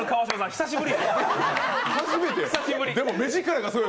久しぶりよ。